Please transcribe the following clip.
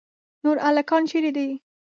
نور هلکان چیرې دي؟